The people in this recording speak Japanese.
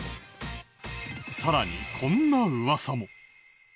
さらにこんなウワサも。